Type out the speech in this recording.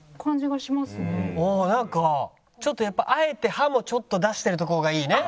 なんかちょっとやっぱあえて歯もちょっと出してるとこがいいね。